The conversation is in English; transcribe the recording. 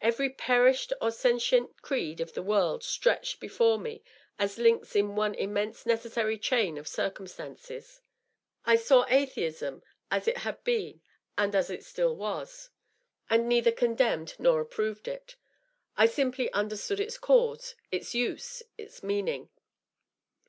Every perished or sentient creed of the world stretched before me as links in one immense necessary chain of circumstance. I saw atheism as it had been and as it still was, and neither condemned 616 DOUGLAS WANE. nor approved it ; I simply understood its cause, its use, its meaning.